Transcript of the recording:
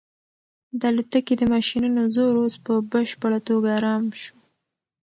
د الوتکې د ماشینونو زور اوس په بشپړه توګه ارام شو.